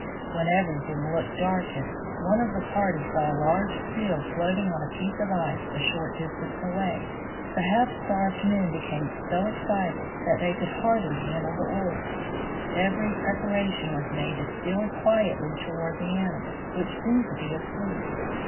When everything looked darkest, one of the party saw a large seal floating on a piece of ice a short distance away. The half starved men became so excited that they could hardly handle the oars. Every preparation was made to steal quietly toward the animal, which seemed to be asleep.